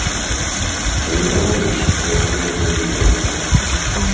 Што і гаварыць, рэдкае для літоўцаў.